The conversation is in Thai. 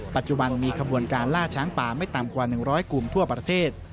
ปัจจุบันมีขบวนการล่าช้างป่าไม่ต่ำกว่า๑๐๐กลุ่มทั่วประเทศ